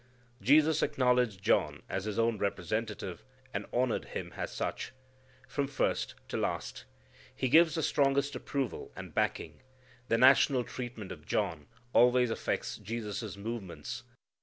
Jesus acknowledged John as His own representative, and honored him as such, from first to last. He gives him the strongest approval and backing. The national treatment of John always affects Jesus' movements.